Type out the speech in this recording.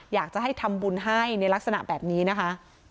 อยากจะให้ทำบุญให้ในลักษณะแบบนี้นะคะ